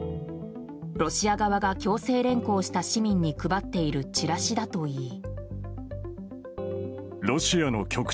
ロシア側が強制連行した市民に配っているチラシだといい。